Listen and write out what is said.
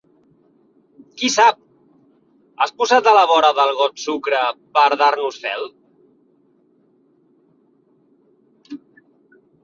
Qui sap! Has posat a la vora del got sucre per dar-nos fel?